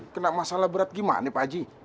kenapa masalah berat gimana pak ji